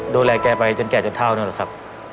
ดูแลแกไปจนแก่จนเท่านั่นแหละครับ